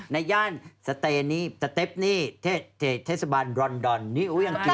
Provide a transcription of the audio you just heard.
ในย่านสเตฟนี่เทศบาลรอนดอนนี่อุ๊ยยังกินแล้ว